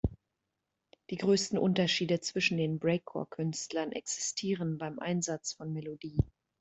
Die größten Unterschiede zwischen den Breakcore-Künstlern existieren beim Einsatz von Melodie.